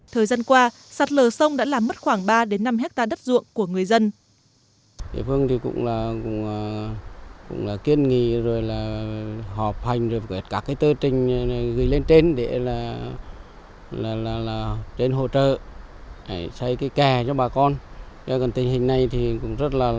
thời gian qua sạt lở sông đã làm mất khoảng ba đến năm hectare đất ruộng của người dân